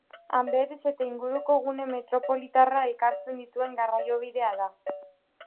Anberes eta inguruko gune metropolitarra elkartzen dituen garraiobidea da.